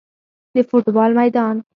د فوټبال میدان